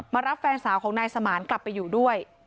รับแฟนสาวของนายสมานกลับไปอยู่ด้วย